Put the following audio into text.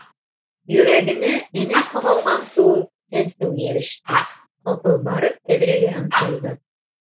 Йөрәгенә, энә ҡаҙалған кеүек, сәнсеү йәбеште, ҡапыл барып тәҙрәгә ынтылды.